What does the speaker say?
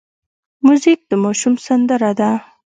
موزیک د ماشوم سندره ده.